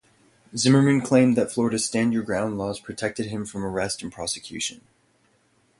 Zimmerman claimed that Florida's stand-your-ground laws protected him from arrest and prosecution.